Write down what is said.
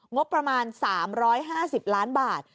งบประมาณ๓๕๐ล้านบาท